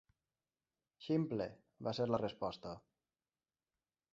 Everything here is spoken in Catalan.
"Ximple", va ser la resposta.